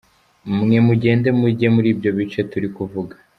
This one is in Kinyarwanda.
Mwe mugende mujye muri ibyo bice turi kuvuga.